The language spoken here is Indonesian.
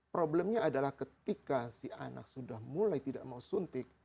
problemnya adalah ketika si anak sudah mulai tidak mau suntik